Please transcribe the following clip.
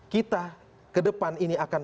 kita kedepan ini akan